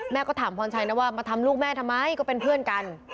ก็ถามพรชัยนะว่ามาทำลูกแม่ทำไมก็เป็นเพื่อนกัน